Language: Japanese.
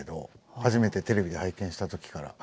初めてテレビで拝見したときから。